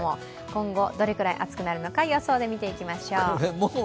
今後どれくらい暑くなるのか予想で見ていきましょう。